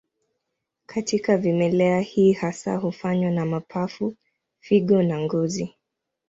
Katika vimelea hii hasa hufanywa na mapafu, figo na ngozi.